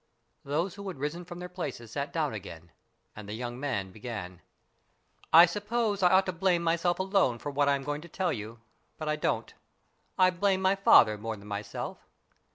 Those who had risen from their places sat down again, and the young man began. " I suppose I ought to blame myself alone for what I am going to tell you, but I don't. I blame my father more than myself.